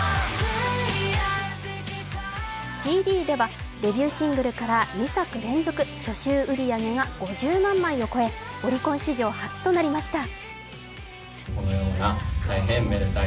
ＣＤではデビューシングルから２作連続初週売り上げが５０万枚を超え、オリコン史上初となりました。